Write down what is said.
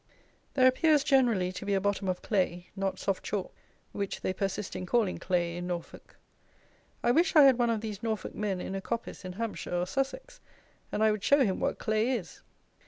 There appears generally to be a bottom of clay; not soft chalk, which they persist in calling clay in Norfolk. I wish I had one of these Norfolk men in a coppice in Hampshire or Sussex, and I would show him what clay is.